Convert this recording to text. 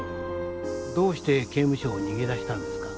どうして刑務所を逃げ出したんですか？